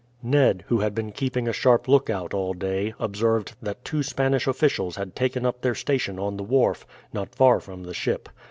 Ned, who had been keeping a sharp lookout all day, observed that two Spanish officials had taken up their station on the wharf, not far from the ship.